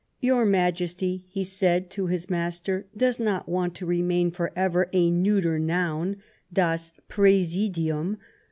" YourV *"'^'^ Majesty," he said to his master, " does not want to i^jL* remain for ever a neuter noun, das Prdsidium."